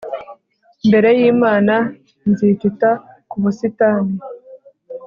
Mbere yimana zitita kubusitani